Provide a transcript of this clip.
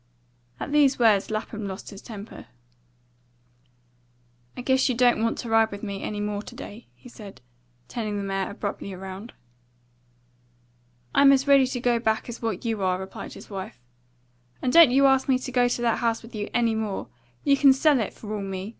At these words Lapham lost his temper. "I guess you don't want to ride with me any more to day," he said, turning the mare abruptly round. "I'm as ready to go back as what you are," replied his wife. "And don't you ask me to go to that house with you any more. You can sell it, for all me.